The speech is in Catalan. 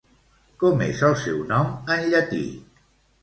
Com és el seu nom en llatí?